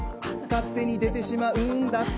勝手に出てしまうんだ。